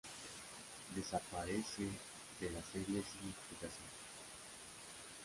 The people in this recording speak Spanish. Desaparece de la serie sin explicación.